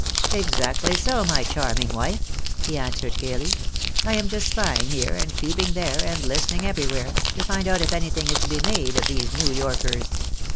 " Exactly so, my charming wife," he answered, gaily. " I am just spying here, and peeping there, and Ustening everywhere, to find out if anything is to be made of these New Yorkers.